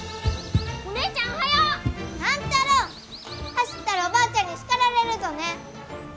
走ったらおばあちゃんに叱られるぞね！